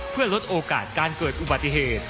เพื่อลดโอกาสการเกิดอุบัติเหตุ